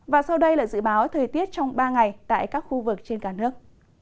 và sau đây là dự báo thời tiết trong ba ngày tại các khu vực trên cả nước